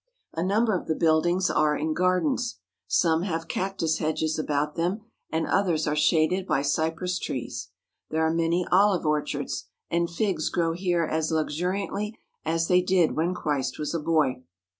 A number of the buildings are in gardens. Some have cactus hedges about them and others are shaded by cypress trees. There are many olive orchards, and figs grow here as luxuriantly as they did when Christ was a boy.